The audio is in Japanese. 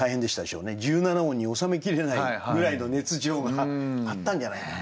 １７音に収めきれないぐらいの熱情があったんじゃないかな。